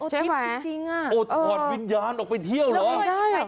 ใช่ไหมทริปจริงจริงอ่ะโอ้ทอดวิญญาณออกไปเที่ยวเหรอแล้วไม่ได้หรอ